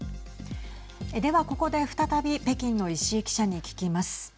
では、ここで再び北京の石井記者に聞きます。